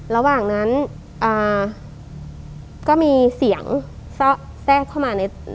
ระหว่างนั้นก็มีเสียงซะแทรกเข้ามาในโทรศัพท์